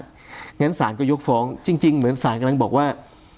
ฉะนั้นสารก็ยกฟ้องจริงเหมือนว่าสารกำลังแบบว่า